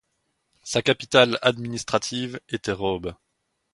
Sa capitale administrative était Robe.